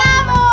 kamu dulu lah